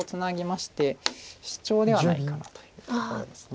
ましてシチョウではないかなというところです。